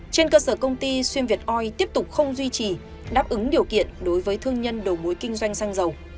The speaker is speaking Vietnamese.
trên cơ sở công ty xuyên việt oi tiếp tục không duy trì đáp ứng điều kiện đối với thương nhân đầu mối kinh doanh xăng dầu